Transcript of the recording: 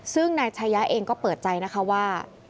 ซึ่งนายชายะเองก็เปิดใจนะคะว่า